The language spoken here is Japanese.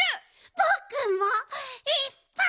ぼっくんもいっぱい！